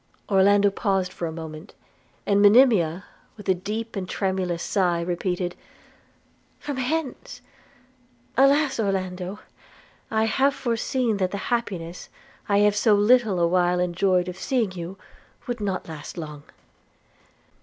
Orlando paused a moment; and Monimia, with a deep and tremulous sigh, repeated, 'From hence! Alas! Orlando, I have forseen that the happiness I have so little a while enjoyed of seeing you would not last long!'